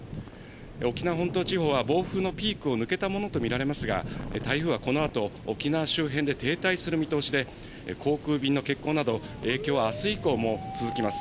沖縄本島地方は暴風のピークを抜けたものと見られますが、台風はこのあと、沖縄周辺で停滞する見通しで、航空便の欠航など、影響はあす以降も続きます。